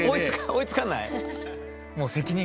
追いつかない？